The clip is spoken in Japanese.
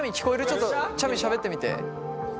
ちょっとちゃみしゃべってみて。